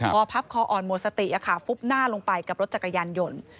พอพับคออ่อนหมดสติฟุบหน้าลงไปกับรถจักรยานยนต์